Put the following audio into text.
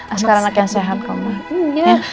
askara anak yang sehat kok ma